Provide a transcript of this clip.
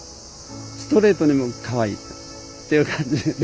ストレートにもうかわいいっていう感じですよね。